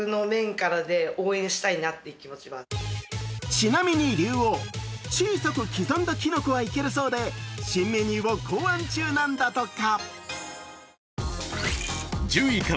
ちなみに竜王、小さく刻んだキノコはいけるそうで新メニューを考案中なんだとか。